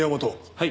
はい。